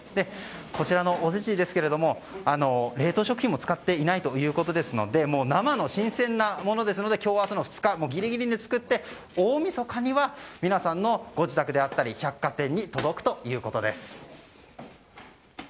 こちらのおせちですけれども冷凍食品は使っていないということで生の新鮮なものですので今日明日の２日ギリギリで作って大みそかには皆さんのご自宅であったり百貨店に届くということです。